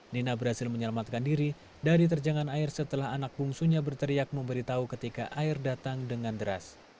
nina berhasil menyelamatkan diri dari terjangan air setelah anak bungsunya berteriak memberitahu ketika air datang dengan deras